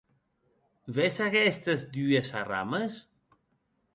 Ves aguestes dues arrames?